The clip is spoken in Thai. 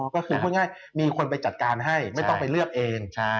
ก็คือพูดง่ายมีคนไปจัดการให้ไม่ต้องไปเลือกเอง